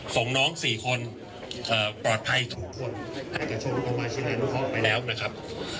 ส่งน้องสี่คนปลอดภัยถูกคนแล้วกับโรงพยาบาลเชียงรายบริหารรุครไปแล้วนะครับ